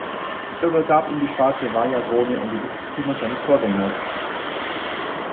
Er übergab ihm die schwarze Vajra-Krone und die Besitztümer seines Vorgängers.